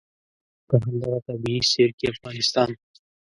په همدغه طبعي سیر کې افغانستان.